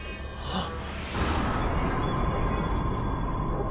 あっ。